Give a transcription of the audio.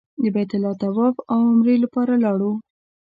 د بیت الله طواف او عمرې لپاره لاړو.